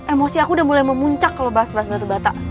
emosi aku udah mulai memuncak kalau bahasa bahas batu bata